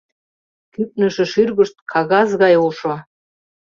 Кӱпнышӧ шӱргышт — кагаз гай ошо.